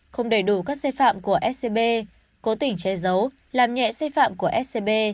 không đầy đủ các sai phạm của scb cố tỉnh che giấu làm nhẹ sai phạm của scb